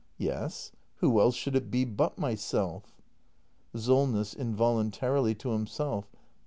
Yes, who else should it be but myself? Solness. [Involuntarily to himself.